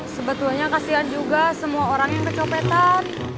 sebetulnya kasian juga semua orang yang kecopetan